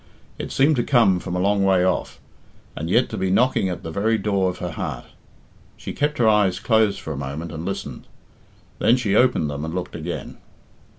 It seemed to come from a long way off, and yet to be knocking at the very door of her heart. She kept her eyes closed for a moment and listened; then she opened them and looked again.